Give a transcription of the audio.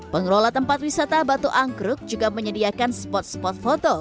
pengelola tempat wisata batu angkruk juga menyediakan spot spot foto